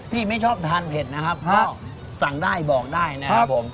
ที่ไม่ชอบทานเผ็ดนะครับก็สั่งได้บอกได้นะครับผม